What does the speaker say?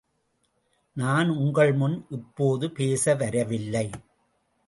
நான் உங்கள் முன் இப்போது பேச வரவில்லை.